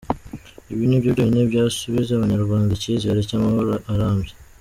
Ibi nibyo byonyine byasubiza abanyarwanda icyizere cy’amahoro arambye.